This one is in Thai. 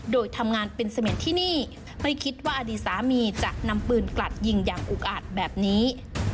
โดยทำงานเป็นเสม็นที่นี่ไม่คิดว่าอดีตสามีจะนำปืนกลัดยิงอย่างอุกอาจแบบนี้